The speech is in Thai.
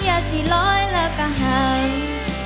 อย่าสิร้อยและกระห่าง